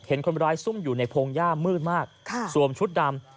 เห็นคนร้ายซุ่มอยู่ในพงหญ้ามืดมากสวมชุดดำ